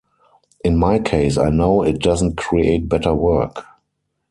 In my case I know it doesn't create better work.